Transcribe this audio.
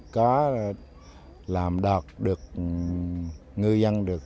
có làm đọt được ngư dân được